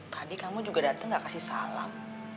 tadi kamu juga datang gak kasih salam